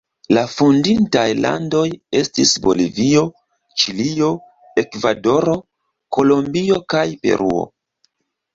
La fondintaj landoj estis Bolivio, Ĉilio, Ekvadoro, Kolombio kaj Peruo.